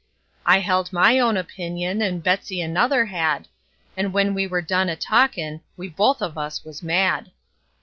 I held my own opinion, and Betsey another had; And when we were done a talkin', we both of us was mad.